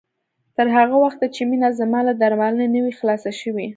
تر هغه وخته چې مينه زما له درملنې نه وي خلاصه شوې